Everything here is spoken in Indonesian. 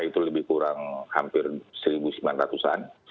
itu lebih kurang hampir seribu sembilan ratus an